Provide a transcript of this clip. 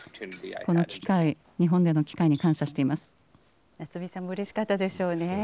この機会、日本での機会に感謝し夏望さんもうれしかったでしょうね。